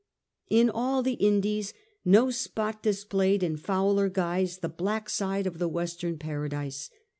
In all the Indies no spot displayed in fouler guise the black side of the western paradise.